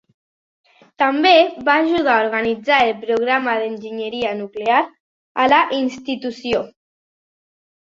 També va ajudar a organitzar el programa d'enginyeria nuclear a la institució.